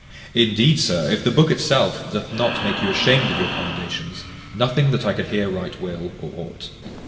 Indeed, sir, if the book itself doth not make you ashamed of your commendations, nothing that I can here write will, or ought.